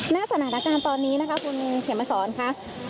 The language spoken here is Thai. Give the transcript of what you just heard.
หน้าสนานการณ์ตอนนี้คุณเขยามาสอนค่ะ